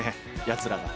やつらが。